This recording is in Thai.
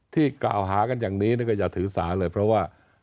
ที่กล่าวหากันอย่างนี้ก็อย่าถือสาเลยเพราะว่า